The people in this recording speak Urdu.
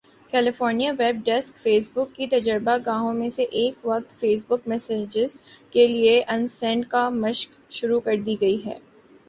California web desk Facebook کی تجربہ گاہوں میں اس وقت فیس بک میسنجر کے لیے ان سینڈ آپشن کی مشق شروع کردی گئی ہے